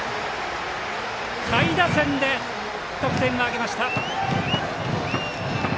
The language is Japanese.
下位打線で得点を挙げました。